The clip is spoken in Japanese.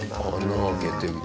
穴開けてる。